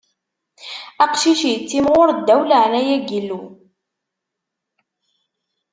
Aqcic ittimɣur ddaw n leɛnaya n Yillu.